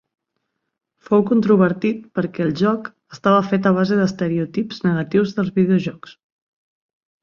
Fou controvertit perquè el joc estava fet a base dels estereotips negatius dels videojocs.